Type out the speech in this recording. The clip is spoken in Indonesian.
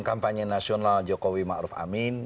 kampanye nasional jokowi ma'ruf amin